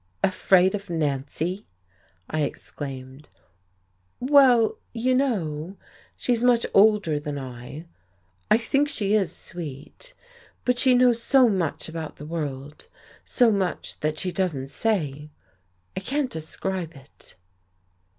"Afraid of Nancy!" I exclaimed. "Well, you know, she's much older than I. I think she is sweet. But she knows so much about the world so much that she doesn't say. I can't describe it."